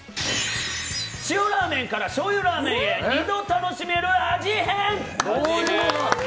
塩ラーメンからしょうゆラーメンへ２度楽しめる味変！